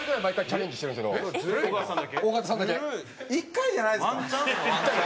１回じゃないんですか？